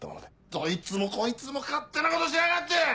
どいつもこいつも勝手なことしやがって！